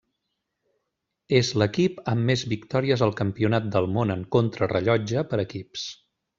És l'equip amb més victòries al Campionat del món en contrarellotge per equips.